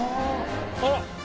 あら！